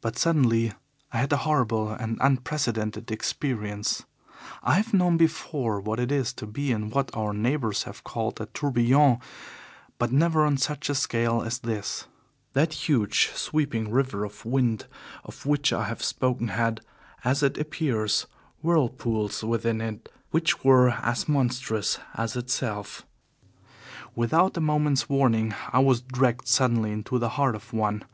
But suddenly I had a horrible and unprecedented experience. I have known before what it is to be in what our neighbours have called a tourbillon, but never on such a scale as this. That huge, sweeping river of wind of which I have spoken had, as it appears, whirlpools within it which were as monstrous as itself. Without a moment's warning I was dragged suddenly into the heart of one.